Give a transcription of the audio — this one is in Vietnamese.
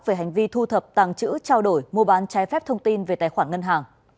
về hành vi thu thập tàng chữ trao đổi mua bán trái phép thông tin về tài khoản ngân hàng